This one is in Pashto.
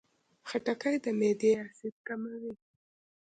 خټکی د معدې اسید کموي.